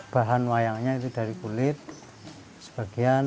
bahan wayangnya itu dari kulit sebagian